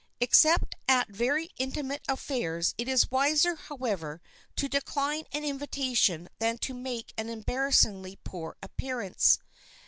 Except at very intimate affairs it is wiser, however, to decline an invitation than to make an embarrassingly poor appearance.